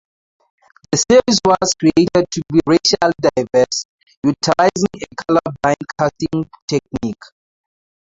The series was created to be racially diverse, utilizing a color-blind casting technique.